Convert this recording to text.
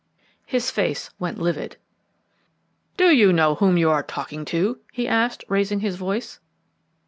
His face went livid. "Do you know whom you are talking to?" he asked, raising his voice.